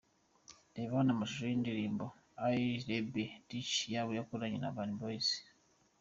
Reba hano amashusho y’indirimbo ‘Ich liebe dich’ Babo yakoranye na Urban Boys.